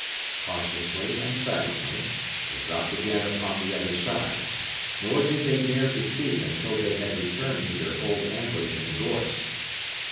Cautiously and silently, they dropped again upon the other side; nor did they dare to speak until they had returned to their old ambush in the gorse.